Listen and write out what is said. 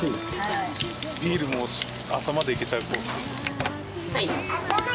ビールも朝までいけちゃうコース。